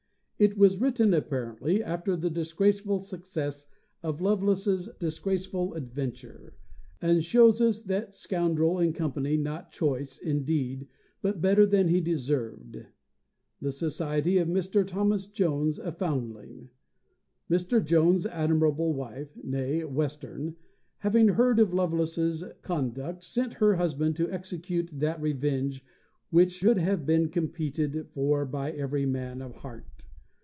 It was written, apparently, after the disgraceful success of Lovelace's disgraceful adventure, and shows us that scoundrel in company not choice, indeed, but better than he deserved, the society of Mr. Thomas Jones, a Foundling. Mr. Jones's admirable wife (née Western), having heard of Lovelace's conduct, sent her husband to execute that revenge which should have been competed for by every man of heart.